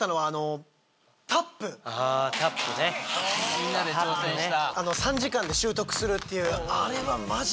みんなで挑戦した。